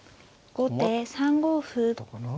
後手３五歩。